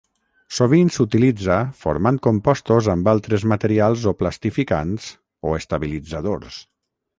Sovint s'utilitza formant compostos amb altres materials o plastificants o estabilitzadors.